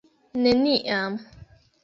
Neniam!